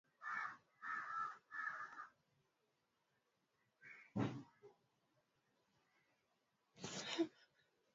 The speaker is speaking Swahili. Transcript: Vijana wote wawili wana mafunzo ya mapigano lakini mmoja ndiye alieajiriwa nchini humo